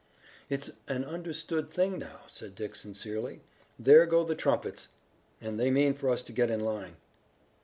"It's an understood thing now," said Dick sincerely. "There go the trumpets, and they mean for us to get in line."